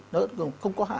nó không có hại